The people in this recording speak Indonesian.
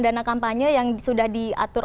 dana kampanye yang sudah diatur